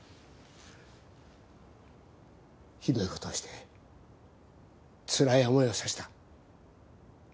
ひどい事をしてつらい思いをさせた。